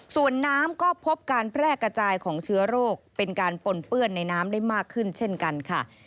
ส่วนน้ำก็พบการแพร่กระจายของเชื้อโรคเป็นการปนเปื้อนในน้ำได้มากขึ้นเช่นกันค่ะ